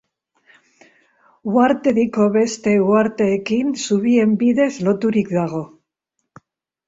Uhartediko beste uharteekin zubien bidez loturik dago.